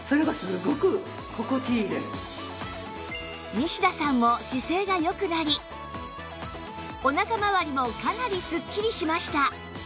西田さんも姿勢が良くなりお腹まわりもかなりスッキリしました